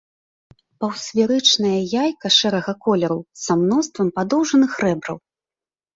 Паўсферычнае яйка шэрага колеру са мноствам падоўжных рэбраў.